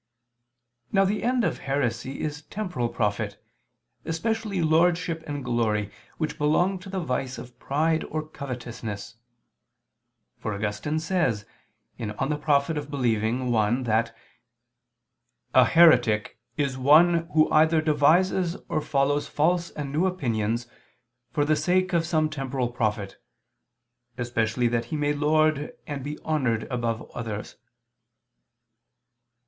Now the end of heresy is temporal profit, especially lordship and glory, which belong to the vice of pride or covetousness: for Augustine says (De Util. Credendi i) that "a heretic is one who either devises or follows false and new opinions, for the sake of some temporal profit, especially that he may lord and be honored above others."